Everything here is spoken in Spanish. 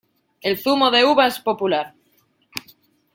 El zumo de uva es popular.